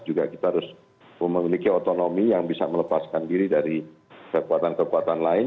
juga kita harus memiliki otonomi yang bisa melepaskan diri dari kekuatan kekuatan lain